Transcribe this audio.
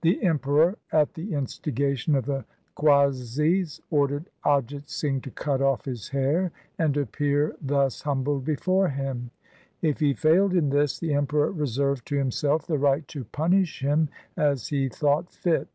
The Emperor at the instigation of the qazis ordered Ajit Singh to cut off his hair and appear thus humbled before him. If he failed in this, the Emperor reserved to himself the right to punish him as he thought fit.